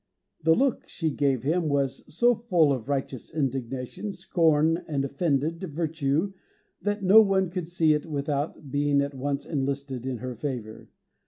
The look she gave him was so full of righteous indignation, scorn and offended virtue that no one could see it without being at once enlisted in her favor.